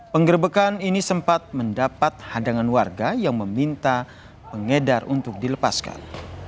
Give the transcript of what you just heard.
penggerbekan ini sempat mendapat hadangan warga yang meminta pengedar untuk dilepaskan